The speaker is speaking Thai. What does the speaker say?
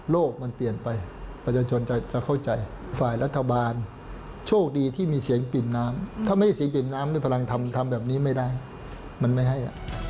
โลกมันเปลี่ยนไปประชานชนจะเข้าใจ